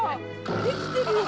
できてるよ！